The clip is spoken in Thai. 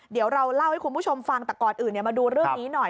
เดี๋ยวเราเล่าให้คุณผู้ชมฟังแต่ก่อนอื่นมาดูเรื่องนี้หน่อย